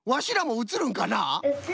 うつる？